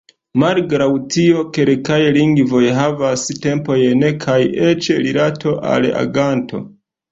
Malgraŭ tio, kelkaj lingvoj havas tempojn kaj eĉ rilato al aganto.